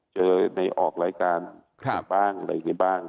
เจอในออกรายการบ้างอะไรอย่างนี้บ้าง